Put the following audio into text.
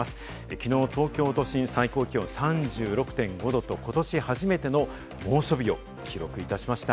きのう東京都心、最高気温３６．５℃と、ことし初めての猛暑日を記録しました。